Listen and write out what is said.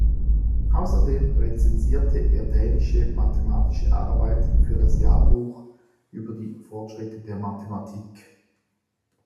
Außerdem rezensierte er dänische mathematische Arbeiten für das Jahrbuch über die Fortschritte der Mathematik.